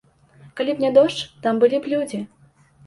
Калі б не дождж, там былі б людзі.